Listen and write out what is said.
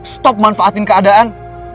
stop manfaatin keadaan